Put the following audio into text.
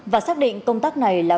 và xác định công tác này là